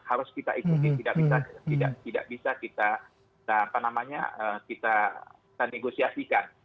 harus kita ikuti tidak bisa kita negosiasikan